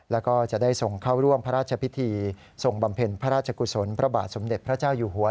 แล้วก็จะได้ส่งเข้าร่วมพระราชพิธีทรงบำเพ็ญพระราชกุศลพระบาทสมเด็จพระเจ้าอยู่หัว